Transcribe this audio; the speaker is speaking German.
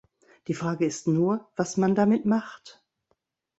Die Frage ist nur, was man damit macht.